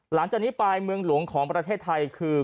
หลังจากนี้ไปเมืองหลวงของประเทศไทยคือ